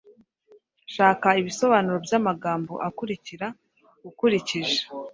Shaka ibisobanuro by’amagambo akurikira ukurikije